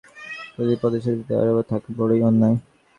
প্রতি পদে সেটি তৈয়ার না থাকা বড়ই অন্যায়।